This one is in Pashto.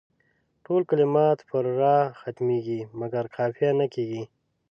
ټول کلمات پر راء ختمیږي مګر قافیه نه کیږي.